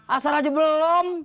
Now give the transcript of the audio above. asal aja belum